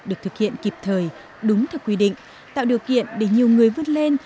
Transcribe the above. được thực hiện kịp thời đúng theo quy định tạo điều kiện để nhiều người vươn lên